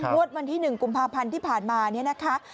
วันที่๑กุมภาพันธ์ที่ผ่านมาเนี่ยนะคะ